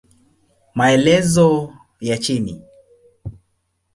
Maelezo ya chini